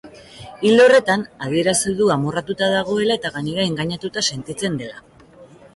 Ildo horretan, adierazi du amorratuta dagoela eta gainera engainatuta sentitzen dela.